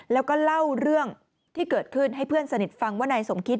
แล้วก็เล่าเรื่องที่เกิดขึ้นให้เพื่อนสนิทฟังว่านายสมคิด